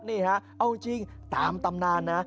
นี่ฮะเอาจริงตามตำนานนะ